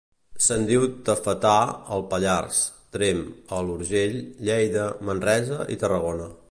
Se'n diu tafetà al Pallars, Tremp, a l'Urgell, Lleida, Manresa i Tarragona.